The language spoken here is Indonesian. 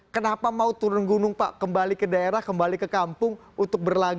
kenapa mau turun gunung pak kembali ke daerah kembali ke kampung untuk berlaga